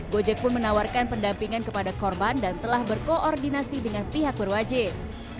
gojek pun menawarkan pendampingan kepada korban dan telah berkoordinasi dengan pihak berwajib